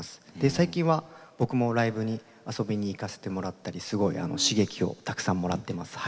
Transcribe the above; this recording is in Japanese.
最近は僕もライブに遊びに行かせてもらったりすごい刺激をたくさんもらっています。